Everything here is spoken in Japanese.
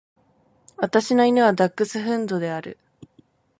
私の犬はダックスフンドである。